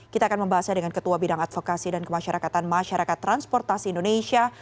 kita akan membahasnya dengan ketua bidang advokasi dan kemasyarakatan masyarakat transportasi indonesia